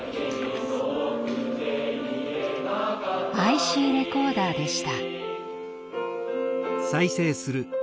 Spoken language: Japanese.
ＩＣレコーダーでした。